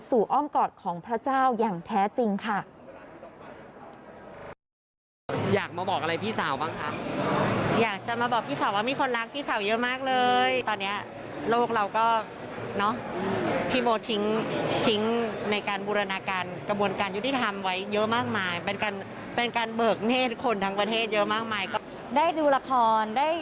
อ้อมกอดของพระเจ้าอย่างแท้จริงค่ะ